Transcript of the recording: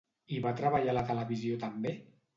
I va treballar a la televisió també?